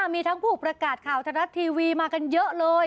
มีทั้งผู้ประกาศข่าวทรัฐทีวีมากันเยอะเลย